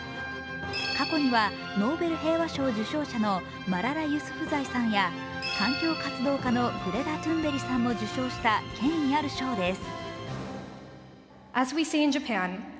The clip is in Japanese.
過去にはノーベル平和賞受賞者のマララ・ユスフザイさんや環境活動家のグレタ・トゥンベリさんも受賞した権威ある賞です。